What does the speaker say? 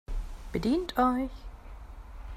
Bedient euch!